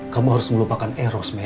kamu harus melupakan eros men